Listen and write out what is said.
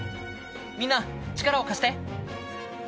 みんな力を貸して。